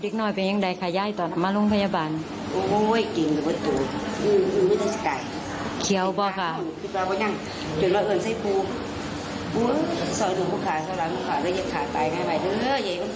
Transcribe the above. โอ้โหเว้ยรูปวัตถูทอืมมันได้ไปแค่เหี้ยวบอกอ่ะอยู่นอกแค่พู